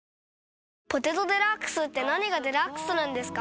「ポテトデラックス」って何がデラックスなんですか？